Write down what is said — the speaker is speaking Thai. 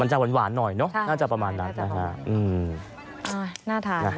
มันจะหวานหน่อน่ะน่าจะประมาณนั้นน่ะ